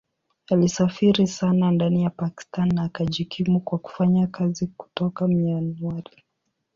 Alisafiri sana ndani ya Pakistan na akajikimu kwa kufanya kazi kutoka Mianwali.